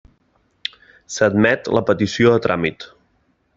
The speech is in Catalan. S'admet la petició a tràmit.